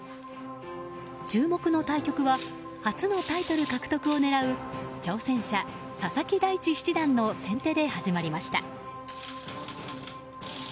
注目の対局は初のタイトル獲得を狙う挑戦者・佐々木大地七段の先手で始まりました。